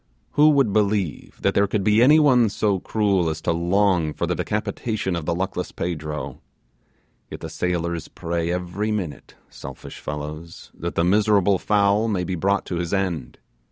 Who would believe that there could be any one so cruel as to long for the decapitation of the luckless Pedro; yet the sailors pray every minute, selfish fellows, that the miserable fowl may be brought to his end.